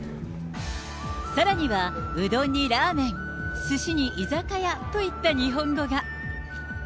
さらにはうどんにラーメン、すしに居酒屋といった日本語が。